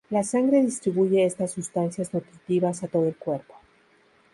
La sangre distribuye estas sustancias nutritivas a todo el cuerpo.